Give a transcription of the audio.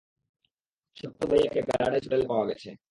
সাত্তু ভাইয়াকে প্যারাডাইজ হোটেলে পাওয়া গেছে।